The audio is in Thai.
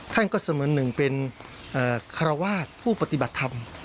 ท่านก็สมนึงเป็นเอ่อคารวาสผู้ปฏิบัติธรรม